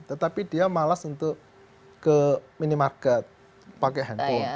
tetapi dia malas untuk ke minimarket pakai handphone